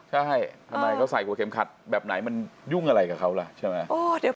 ใช่ทำไมเขาใส่หัวเข็มขัดแบบไหนมันยุ่งอะไรกับเขาล่ะใช่ไหม